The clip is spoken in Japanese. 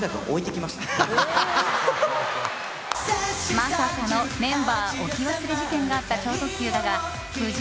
まさかのメンバー置き忘れ事件があった超特急だが無事？